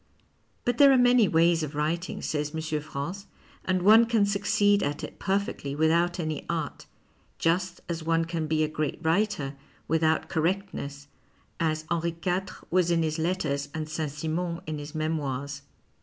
But there arc many ways of writing, says M. France, and one can succeed at it perfectly without any art, just as one can be a great writer without correctness, as Henri IV. was in his letters and Saint Simon in his memoirs.